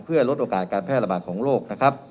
เพื่อลดโอกาสการแพร่ระบาดของโรคนะครับ